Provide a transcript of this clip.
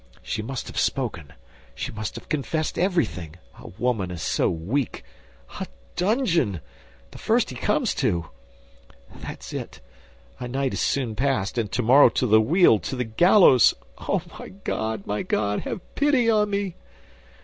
She must have spoken; she must have confessed everything—a woman is so weak! A dungeon! The first he comes to! That's it! A night is soon passed; and tomorrow to the wheel, to the gallows! Oh, my God, my God, have pity on me!"